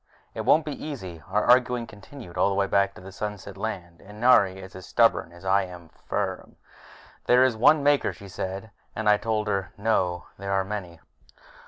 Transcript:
It won't be easy. Our arguing continued all the way back to the Sunset Land, and Nari is as stubborn as I am firm. "There is one Maker," she said. And I told her, "No, there are many."